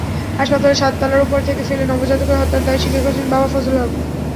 হাসপাতালের সাততলার ওপর থেকে ফেলে নবজাতককে হত্যার দায় স্বীকার করেছেন বাবা ফজল হক।